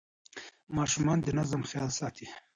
ماشومان د نظم خیال ساتي.